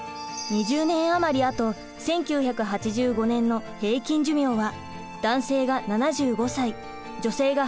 ２０年余りあと１９８５年の平均寿命は男性が７５歳女性が８０歳です。